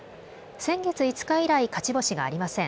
先月５日以来、勝ち星がありません。